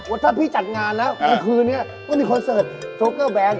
ว่าถ้าพี่จัดงานแล้วคืนนี้ก็มีคอนเสิร์ชโชเกอร์แบงค์